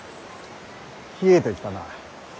冷えてきたな。